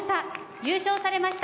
優勝されました